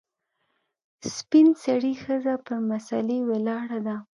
سپین سرې ښځه پر مسلې ولاړه ده .